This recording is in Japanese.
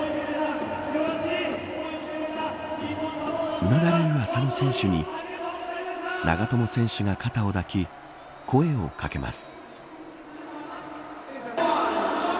うなだれる浅野選手に長友選手が肩を抱き声を掛けます。